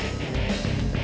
eh mbak be